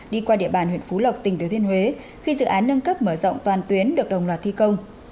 đi qua địa bàn huyện phú lộc tỉnh thứ thiên huế khi dự án nâng cấp mở rộng toàn tuyến được đồng loạt thi công